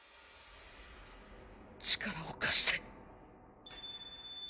力を貸して。